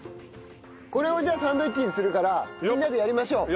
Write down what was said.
これをじゃあサンドイッチにするからみんなでやりましょう。